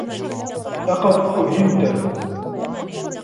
لقد أهنت